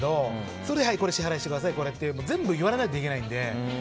それで支払いしてくださいとか全部言われないとできないので。